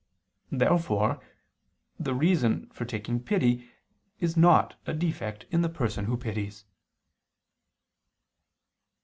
Therefore the reason for taking pity, is not a defect in the person who pities.